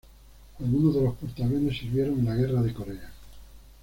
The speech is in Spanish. Algunos de los portaaviones sirvieron en la Guerra de Corea.